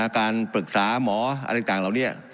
การปรึกษาหมออะไรต่างเหล่านี้